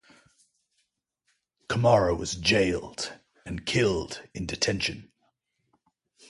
Camara was jailed, and killed in detention.